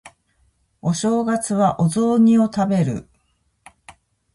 お正月はお雑煮を食べる